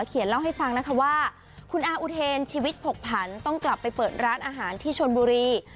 เขียนเล่าให้ฟังนะคะว่าคุณอาอุเทนชีวิตผกผันต้องกลับไปเปิดร้านอาหารที่ชนบุรี